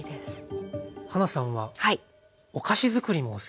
はなさんはお菓子づくりもお好きだと。